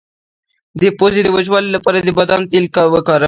د پوزې د وچوالي لپاره د بادام تېل وکاروئ